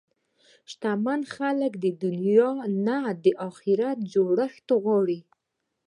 شتمن خلک د دنیا نه د اخرت جوړښت غواړي.